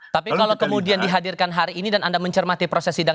tapi kalau kemudian dihadirkan hari ini dan anda mencermati proses sidang